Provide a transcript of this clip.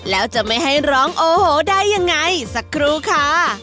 แล้วจะไม่ให้ร้องโอ้โหได้ยังไงสักครู่ค่ะ